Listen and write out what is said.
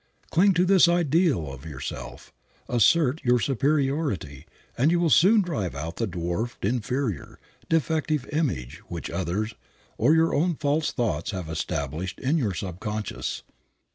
Cling to this ideal of yourself, assert your superiority, and you will soon drive out the dwarfed, inferior, defective image which others, or your own false thoughts, have established in your subconsciousness.